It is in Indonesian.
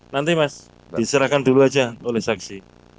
nanti mas diserahkan dulu aja oleh saksi